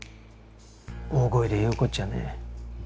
大声で言うことじゃねえ。